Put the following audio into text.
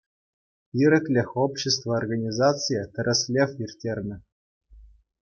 «Ирӗклӗх» общество организацийӗ тӗрӗслев ирттернӗ.